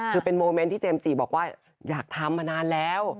คือเป็นโมเมนต์ที่เจมส์จีบอกว่าอยากทำมานานแล้ว